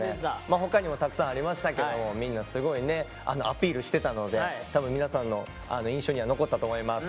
他にもたくさんありましたけどもみんなすごいねアピールしてたので多分皆さんの印象には残ったと思います。